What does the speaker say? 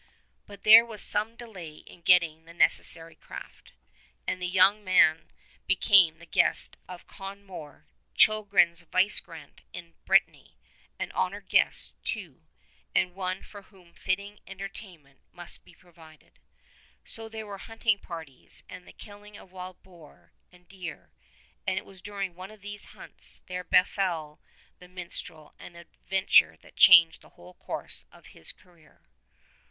96 But there was some delay in getting the necessary craft, and the young man became the guest of Kon mor, Childe bert's vicegerent in Brittany: an honored guest, too, and one for whom fitting entertainment must be provided. So there were hunting parties, and the killing of wild boar and deer; and it was during one of these hunts there befell the minstrel an adventure that changed the whole course of his career.